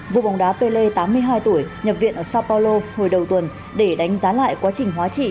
vụ bóng đá pelle tám mươi hai tuổi nhập viện ở sao paulo hồi đầu tuần để đánh giá lại quá trình hóa trị